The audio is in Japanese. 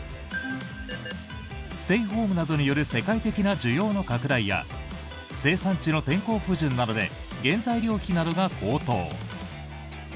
ステイホームなどによる世界的な需要の拡大や生産地の天候不順などで原材料費などが高騰。